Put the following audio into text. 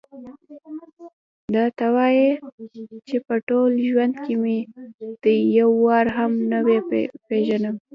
دا ته وې چې په ټول ژوند کې دې یو وار هم ونه پېژندلم.